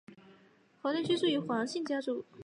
宏琳厝居住着黄姓家族。